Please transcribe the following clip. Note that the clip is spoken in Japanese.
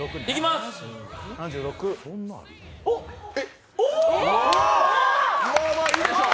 まあまあ、いいでしょう。